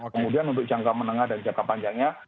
kemudian untuk jangka menengah dan jangka panjangnya